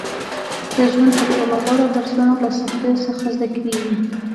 • د ژوند تر ټولو غوره درسونه له سختیو څخه زده کېږي.